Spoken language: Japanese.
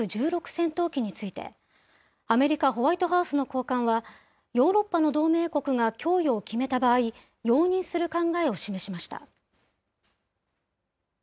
戦闘機について、アメリカ・ホワイトハウスの高官は、ヨーロッパの同盟国が供与を決めた場合、容認する考えを示しました。